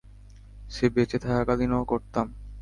সে বেঁচে থাকাকালীনও করতাম।